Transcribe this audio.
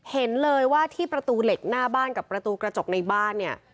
เห็นเลยว่าที่ประตูเหล็กหน้าบ้านกับประตูกระจกในบ้านเนี่ย